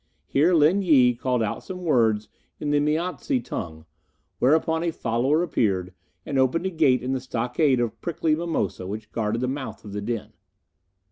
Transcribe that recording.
Here Lin Yi called out some words in the Miaotze tongue, whereupon a follower appeared, and opened a gate in the stockade of prickly mimosa which guarded the mouth of the den.